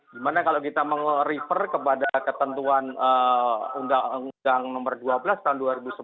dimana kalau kita meng refer kepada ketentuan undang undang nomor dua belas tahun dua ribu sebelas